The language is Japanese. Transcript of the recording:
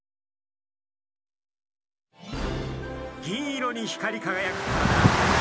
銀色に光りかがやく体。